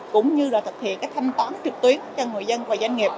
cũng như là thực hiện cái thanh toán trực tuyến cho người dân và doanh nghiệp